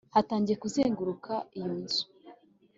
batangiye kuzenguruka iyo nzu